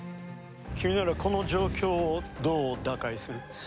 君ならこの状況をどう打開する？